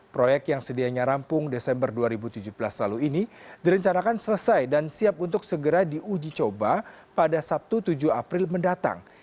proyek yang sedianya rampung desember dua ribu tujuh belas lalu ini direncanakan selesai dan siap untuk segera diuji coba pada sabtu tujuh april mendatang